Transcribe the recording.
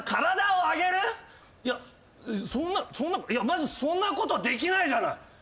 まずそんなことできないじゃない。